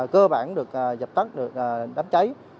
cơ bản được dập tắt được đám cháy